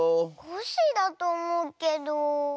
コッシーだとおもうけど。